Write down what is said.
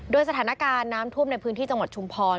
โดยสถานการณ์น้ำท่วมในพื้นที่จังหวัดชุมพร